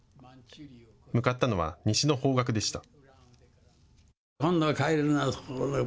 向かったのは西の方角でした。